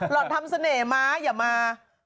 รถทำเสน่ห์มาอย่ามา